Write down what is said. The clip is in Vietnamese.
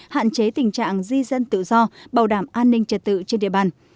hạn chế tình trạng di dân tự do bảo đảm an ninh trật tự trên địa bàn